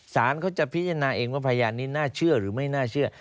สารเขาจะพิจารณาเองว่าพยานนี้น่าเชื่อหรือไม่น่าเชื่อ